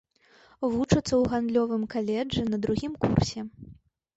Вучацца ў гандлёвым каледжы на другім курсе.